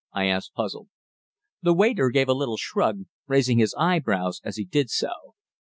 I asked, puzzled. The waiter gave a little shrug, raising his eyebrows as he did so.